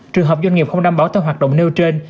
trường hợp doanh nghiệp không đảm bảo theo hoạt động nêu trên